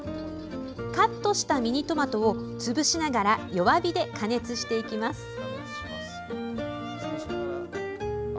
カットしたミニトマトを潰しながら弱火で加熱していきます。